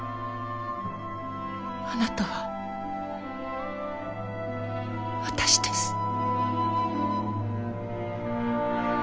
あなたは私です。